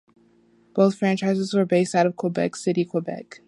Both franchises were based out of Quebec City, Quebec.